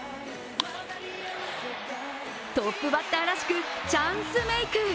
トップバッターらしくチャンスメーク。